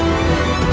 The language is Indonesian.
aku akan membunuhnya